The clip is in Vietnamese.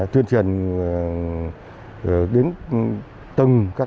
tuyên truyền đến từng các